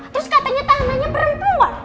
terus katanya tahanannya perempuan